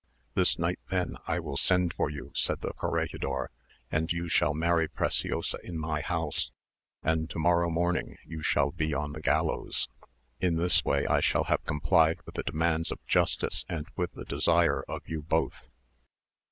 "This night then I will send for you," said the corregidor, "and you shall marry Preciosa in my house, and to morrow morning you shall be on the gallows. In this way I shall have complied with the demands of justice and with the desire of you both."